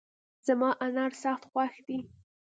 زما انار سخت خوښ دي